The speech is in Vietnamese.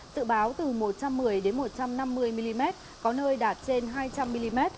tự báo từ một trăm một mươi một trăm năm mươi mm có nơi đạt trên hai trăm linh mm